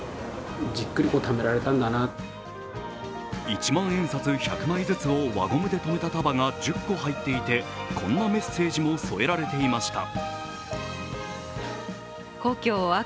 一万円札１００枚ずつを輪ゴムで止めた束が１０個入っていてこんなメッセージも添えられていました。